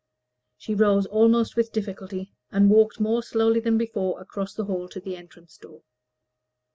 she rose almost with difficulty, and walked more slowly than before across the hall to the entrance door.